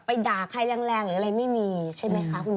ไปดาใครแรงอะไรไม่มีใช่ไหมคะคุณแม่